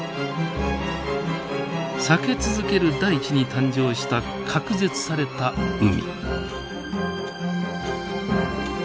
裂け続ける大地に誕生した隔絶された海。